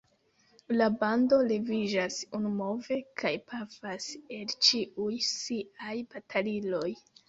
La bando leviĝas unumove kaj pafas el ĉiuj siaj bataliloj.